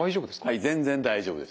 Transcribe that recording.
はい全然大丈夫です。